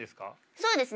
そうですね。